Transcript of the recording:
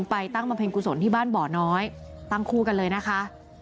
ตั้งบำเพ็ญกุศลที่บ้านบ่อน้อยตั้งคู่กันเลยนะคะ